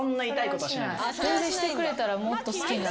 全然してくれたらもっと好きに。